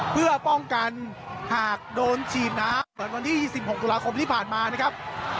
เพื่อป้องกันหากโดนฉีดน้ำเหมือนวันที่๒๖ตุลาคมที่ผ่านมานะครับ